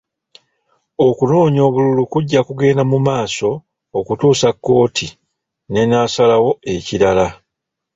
Okunoonya obululu kujja kugenda mu maaso okutuusa kkooti n'enaasalawo ekirala.